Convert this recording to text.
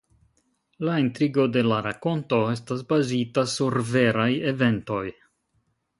La intrigo de la rakonto estas bazita sur veraj eventoj.